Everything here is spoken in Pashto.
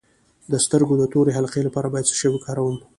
د سترګو د تورې حلقې لپاره باید څه شی وکاروم؟